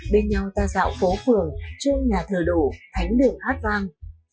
bên nhau ta dạo phố phường trong nhà thờ đủ thánh đường hát vang